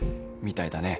みたいだね。